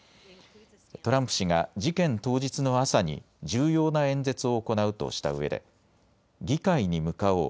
トランプ氏が事件当日の朝に重要な演説を行うとしたうえで議会に向かおう。